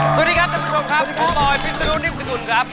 สวัสดีครับท่านผู้ชมครับผมตอยพี่สุดูนิ่มสกุลครับ